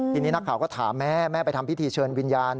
ทีนี้นักข่าวก็ถามแม่แม่ไปทำพิธีเชิญวิญญาณ